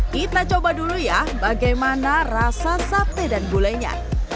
kita coba dulu ya bagaimana rasa sate dan bulenya